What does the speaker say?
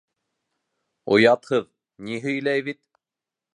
— Оятһыҙ, ни һөйләй бит.